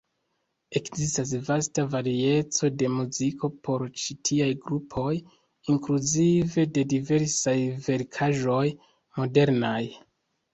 Ekzistas vasta varieco de muziko por ĉi tiaj grupoj, inkluzive de diversaj verkaĵoj modernaj.